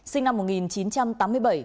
sinh năm một nghìn chín trăm tám mươi bảy